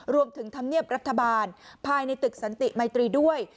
ธรรมเนียบรัฐบาลภายในตึกสันติมัยตรีด้วย